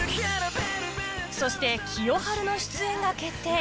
そして清春の出演が決定